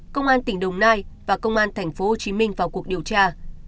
công an tỉnh đồng nai và công an tp hcm vào cuộc điều tra